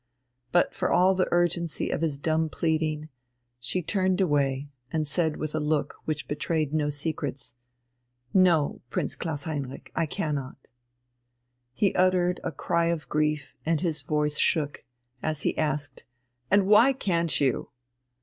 But for all the urgency of his dumb pleading, she turned away, and said with a look which betrayed no secrets: "No, Prince Klaus Heinrich, I cannot." He uttered a cry of grief, and his voice shook, as he asked: "And why can't you?"